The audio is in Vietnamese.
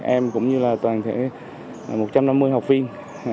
em cũng như là toàn thể một trăm năm mươi học viên